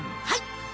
はい！